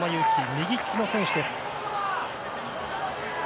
右利きの選手です。